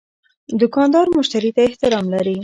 دوکاندار مشتری ته احترام لري.